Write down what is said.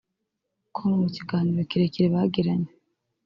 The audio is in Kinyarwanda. com mu kiganiro kirekire bagiranye